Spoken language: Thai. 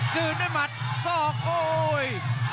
คืนด้วยหมัดศอกโอ้ย